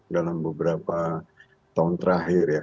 dalam beberapa tahun terakhir ya